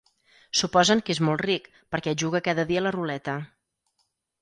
Suposen que és molt ric, perquè juga cada dia a la ruleta.